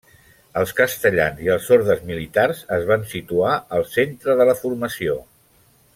Els castellans i els ordes militars es van situar al centre de la formació.